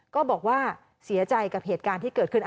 ก็บอกว่าเสียใจกับเหตุการณ์ที่เกิดขึ้น